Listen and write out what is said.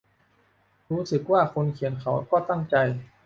รู้สึกว่าคนเขียนเขาก็ตั้งใจ